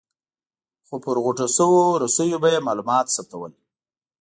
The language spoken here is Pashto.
خو پر غوټه شویو رسیو به یې معلومات ثبتول.